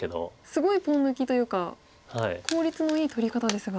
すごいポン抜きというか効率のいい取り方ですが。